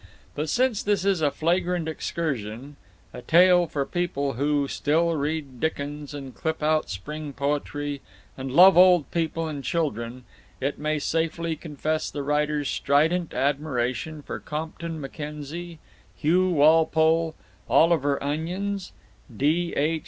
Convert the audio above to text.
But since this is a flagrant excursion, a tale for people who still read Dickens and clip out spring poetry and love old people and children, it may safely confess the writer's strident admiration for Compton Mackenzie, Hugh Walpole, Oliver Onions, D. H.